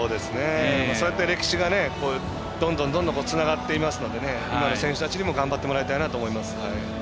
そうやって歴史がどんどんつながっていますので今の選手たちにも頑張ってもらいたいなと思います。